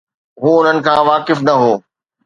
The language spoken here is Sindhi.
هو انهن کان واقف نه هو.